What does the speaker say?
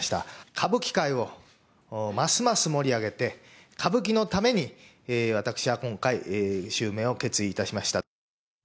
歌舞伎界をますます盛り上げて、歌舞伎のために私は今回、襲名を決意いたしました。